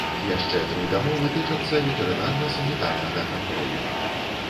Яшчэ тры дамовы тычацца ветэрынарна-санітарнага кантролю.